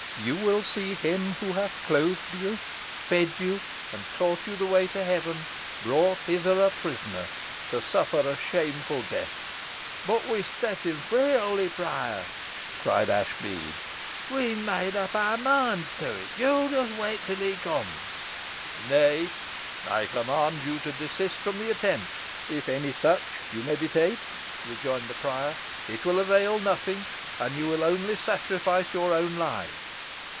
You will see him who hath clothed you, fed you, and taught you the way to heaven, brought hither a prisoner, to suffer a shameful death." "Boh we'st set him free, oly prior," cried Ashbead. "We'n meayed up our moinds to 't. Yo just wait till he cums." "Nay, I command you to desist from the attempt, if any such you meditate," rejoined the prior; "it will avail nothing, and you will only sacrifice your own lives.